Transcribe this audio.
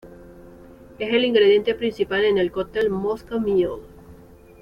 Es el ingrediente principal en el cóctel Moscow Mule.